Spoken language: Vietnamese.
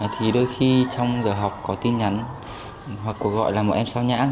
thì đôi khi trong giờ học có tin nhắn hoặc có gọi là mọi em sao nhãng